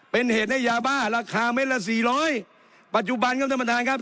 เป็นเหตุให้ยาบ้าราคาเม็ดละสี่ร้อยปัจจุบันครับท่านประธานครับ